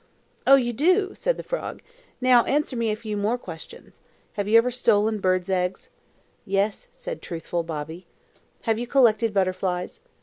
"Oh, you do!" said the frog. "Now answer me a few more questions. Have you ever stolen birds' eggs?" "Yes," said truthful Bobby. "Have you collected butterflies?"